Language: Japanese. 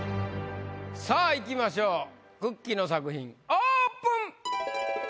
さぁいきましょうくっきー！の作品オープン！